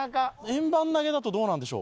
円盤投げだとどうなんでしょう？